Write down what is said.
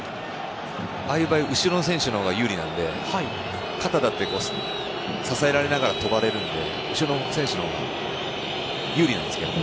ああいう場合後ろの選手のほうが有利なので肩だったり支えられながら跳ばれるので後ろの選手のほうが有利なんですけどね。